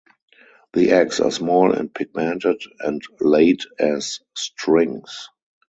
The eggs are small and pigmented and laid as strings.